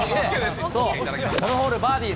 そう、このホールバーディー。